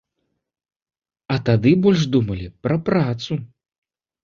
А тады больш думалі пра працу.